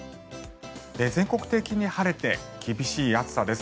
全国的に晴れて厳しい暑さです。